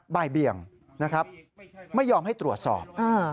บ่ายเบี่ยงไม่ยอมให้ตรวจสอบ